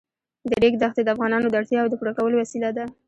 د ریګ دښتې د افغانانو د اړتیاوو د پوره کولو وسیله ده.